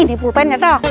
ini pulpennya tuh